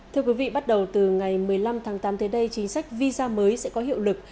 thưa quý vị bắt đầu từ ngày một mươi năm tháng tám tới đây chính sách visa mới sẽ có hiệu lực